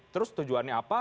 terus tujuannya apa